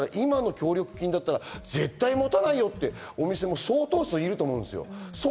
今の協力金だったら絶対持たないよって、そういうお店も相当数いると思う。